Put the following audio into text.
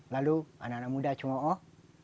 lalu anak anak muda cuma oh